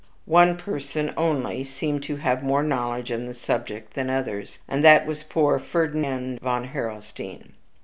One person only seemed to have more knowledge on this subject than others, and that was poor Ferdinand von Harrelstein.